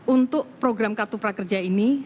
untuk program kartu prakerja ini